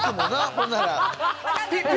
ほんなら。